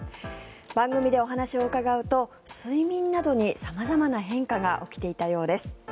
番組でお話を伺うと睡眠などに様々な変化が起きていたようです。